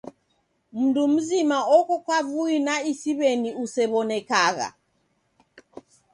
Mndu mzima oko kavui na isiw'eni usew'onekagha.